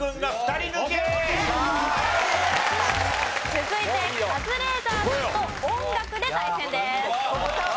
続いてカズレーザーさんと音楽で対戦です。